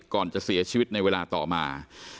ก่อนจะเสียชีวิตในเวลาต่อมา